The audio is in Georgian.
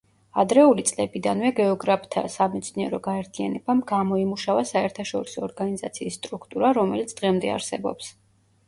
ადრეული წლებიდანვე გეოგრაფთა სამეცნიერო გაერთიანებამ გამოიმუშავა საერთაშორისო ორგანიზაციის სტრუქტურა, რომელიც დღემდე არსებობს.